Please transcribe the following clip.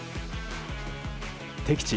敵地